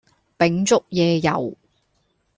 秉燭夜遊